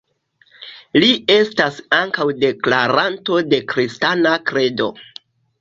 Li estas ankaŭ deklaranto de kristana kredo.